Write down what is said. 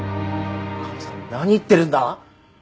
母さん何言ってるんだ？